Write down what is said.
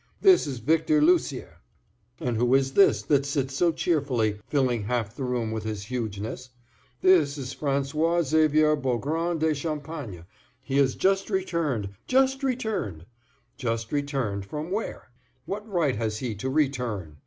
This is Victor Lucier. And who is this that sits so cheerfully, filling half the room with his hugeness? This is François Xavier Beaugrand de Champagne; he has just returned. Just returned! Just returned from where? What right has he to return?